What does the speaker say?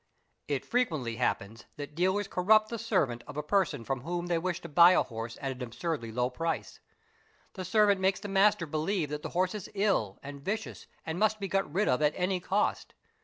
It frequently happens that dealers corrupt the servant of a person from whom they wish to buy a horse at an absurdly low price. The servant makes the master believe that the horse is ill and vicious and must be got rid of at any cost.